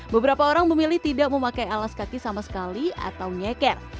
beberapa orang memilih tidak memakai alas kaki sama sekali atau nyeker